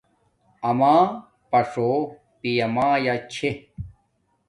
آما پݽو پیا مایا چھے